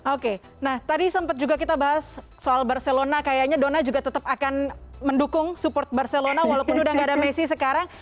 oke nah tadi sempat juga kita bahas soal barcelona kayaknya donna juga tetap akan mendukung support barcelona walaupun udah gak ada messi sekarang